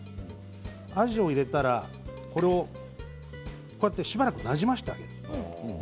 アジを入れたらしばらくなじませてあげる。